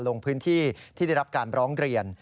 ลงพื้นที่ที่ได้รับการร้องเรียน